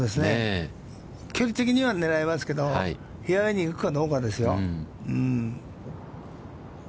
距離的には狙えますけど、フェアウェイに行くかどうかですよ。